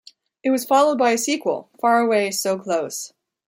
It was followed by a sequel, Faraway, So Close!